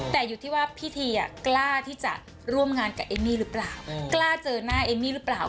แต่อยู่ที่ว่าพี่ทีกล้าที่จะร่วมงานกับเอมมี่หรือเปล่า